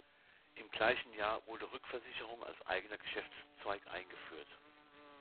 Im gleichen Jahr wurde Rückversicherung als eigener Geschäftszweig eingeführt.